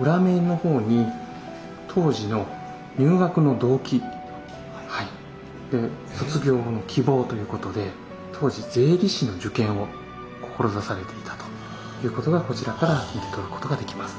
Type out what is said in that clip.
裏面の方に当時の入学の動機卒業後の希望ということで当時税理士の受験を志されていたということがこちらから読み取ることができます。